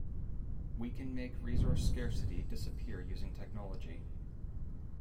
We can make resource scarcity disappear using technology.